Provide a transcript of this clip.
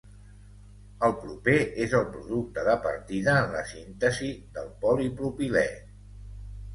El propè és el producte de partida en la síntesi del polipropilè.